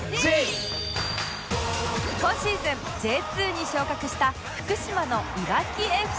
今シーズン Ｊ２ に昇格した福島のいわき ＦＣ